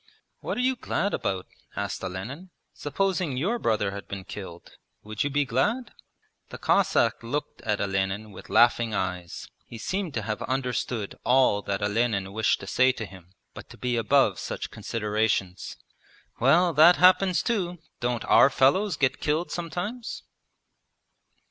'What are you glad about?' asked Olenin. 'Supposing your brother had been killed; would you be glad?' The Cossack looked at Olenin with laughing eyes. He seemed to have understood all that Olenin wished to say to him, but to be above such considerations. 'Well, that happens too! Don't our fellows get killed sometimes?'